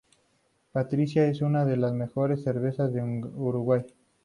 Patricia es una de las mejores cervezas del Uruguay.